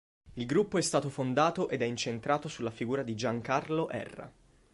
Il gruppo è stato fondato ed è incentrato sulla figura di Giancarlo Erra.